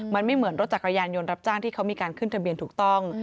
มันไม่เหมือนรถจักรยานยนต์รับจ้างที่เขามีการขึ้นทะเบียนถูกต้อง